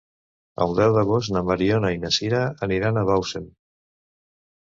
El deu d'agost na Mariona i na Sira aniran a Bausen.